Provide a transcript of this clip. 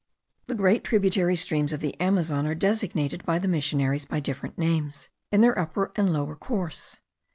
The great tributary streams of the Amazon are designated by the missionaries by different names in their upper and lower course.